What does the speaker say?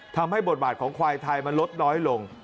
บทบาทของควายไทยมันลดน้อยลง